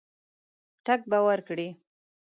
ټګ به ورکړي.